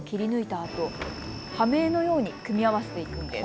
あとはめ絵のように組み合わせていくんです。